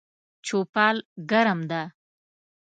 چوپال ګرم ده